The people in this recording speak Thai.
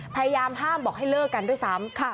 พยายามห้ามบอกให้เลิกกันด้วยซ้ำ